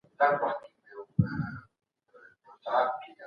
هیڅوک په ژوند کي خپلو ټولو هیلو ته نه رسیږي.